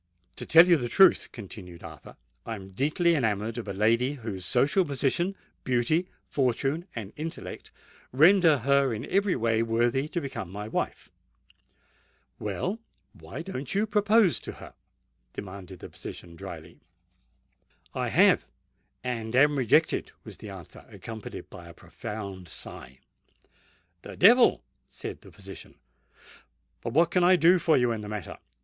"To tell you the truth," continued Arthur, "I am deeply enamoured of a lady whose social position, beauty, fortune, and intellect render her in every way worthy to become my wife." "Well—why don't you propose to her?" demanded the physician drily. "I have—and am rejected," was the answer, accompanied by a profound sigh. "The devil!" said the physician. "But what can I do for you in the matter?